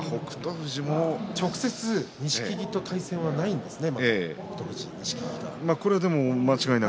富士も直接錦木との対戦はないんですね。